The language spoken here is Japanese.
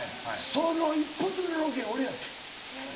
その１発目のロケが俺やってん。